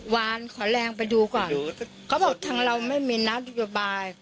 วานขอแรงไปดูก่อนเขาบอกทางเราไม่มีนโยบาย